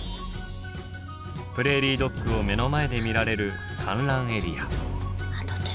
プレーリードッグを目の前で見られる観覧エリア。